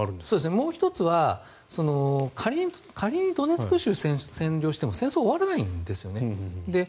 もう１つは仮にドネツク州を占領しても戦争は終わらないんですよね。